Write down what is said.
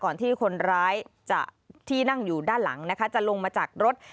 ก่อนที่คนร้ายที่นั่งอยู่ด้านหลังนะคะจะลงมาจากรถ